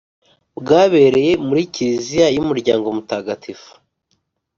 bwabereye muri kiriziya y'umuryango mutagatifu.